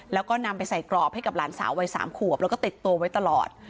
แล้วก็นำไปใส่กรอบให้กับหลานสาววัย๓ขวบแล้วก็ติดตัวไว้ตลอด